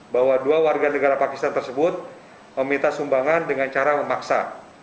bahwa mereka telah meminta sumbangan dengan cara memaksa